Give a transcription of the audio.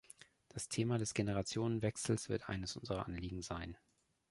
Das Thema des Generationenwechsels wird eines unserer Anliegen sein.